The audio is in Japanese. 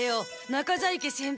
中在家先輩